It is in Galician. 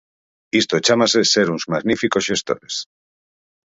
Isto chámase ser uns magníficos xestores.